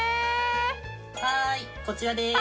はーいこちらです。